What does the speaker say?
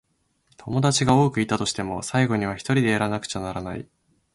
友達が多くいたとしても、最後にはひとりでやらなくちゃならない。